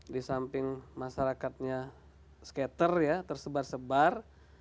di samping masyarakatnya skater ya tersebar sebar